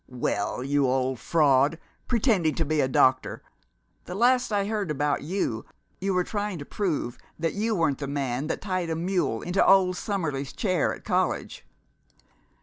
Well, you old fraud, pretending to be a doctor! The last I heard about you, you were trying to prove that you weren't the man that tied a mule into old Sumerley's chair at college."